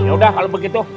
yaudah kalau begitu